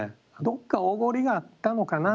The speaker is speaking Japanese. どこかおごりがあったのかな。